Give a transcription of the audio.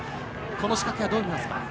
この仕掛け、どう見ますか？